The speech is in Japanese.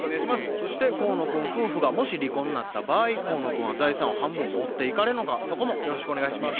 そして河野君夫婦がもし離婚なった場合河野君は財産を半分持っていかれるのかそこもよろしくお願いします。